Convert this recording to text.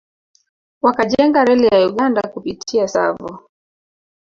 Wakajenga reli ya Uganda kupitia Tsavo